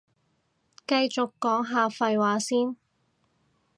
繼續講下廢話先